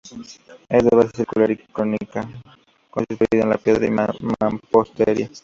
Es de base circular y cónica, construida en piedra y mampostería.